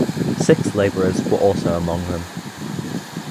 Six laborers were also among them.